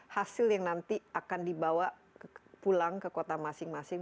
hasil yang nanti akan dibawa pulang ke kota masing masing